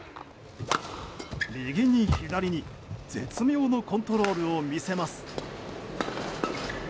右に左に絶妙のコントロールを見せます。